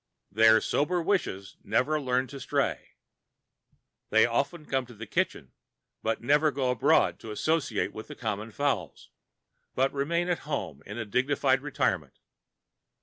"Their sober wishes never learn to stray." They often come into the kitchen, but never go abroad to associate with common fowls, but remain at home in dignified retirement.